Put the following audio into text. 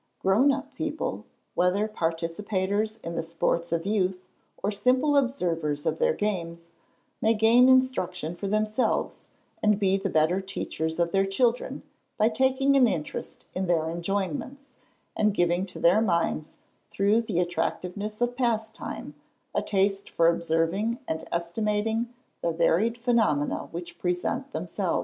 Grown up people, whether participators in the sports of youth, or simple observers of their games, may gain instruction for themselves, and be the better teachers of their children, by taking an interest in their enjoyments, and giving to their minds, through the attractiveness of pastime, a taste for observing and estimating the varied phenomena which present themselves.